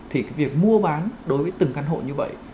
thì cái việc mua bán đối với từng căn hộ như vậy